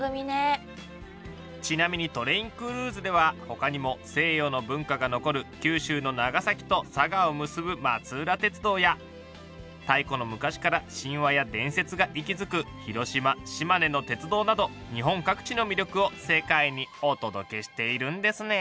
ちなみに「ＴｒａｉｎＣｒｕｉｓｅ」では他にも西洋の文化が残る九州の長崎と佐賀を結ぶ松浦鉄道や太古の昔から神話や伝説が息づく広島・島根の鉄道など日本各地の魅力を世界にお届けしているんですね。